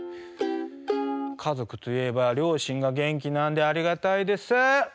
家族といえば両親が元気なんでありがたいです。